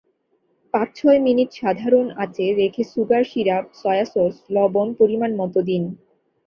পাঁচ-ছয় minute সাধারণ আঁচে রেখে সুগার সিরাপ, সয়াসস, লবণ পরিমাণমতো দিন।